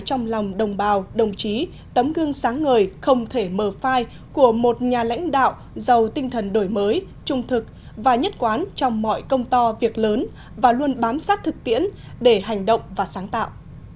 trong lòng đồng bào đồng chí tấm gương sáng ngời không thể mờ phai của một nhà lãnh đạo giàu tinh thần đổi mới trung thực và nhất quán trong mọi công to việc lớn và luôn bám sát thực tiễn để hành động và sáng tạo